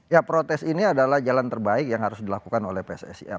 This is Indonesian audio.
ya protes ini adalah jalan terbaik yang harus dilakukan oleh pssi